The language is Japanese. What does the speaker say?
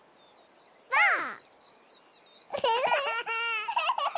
ばあっ！